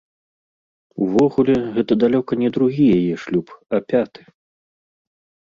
Увогуле, гэта далёка не другі яе шлюб, а пяты.